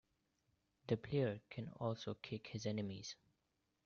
The player can also kick his enemies.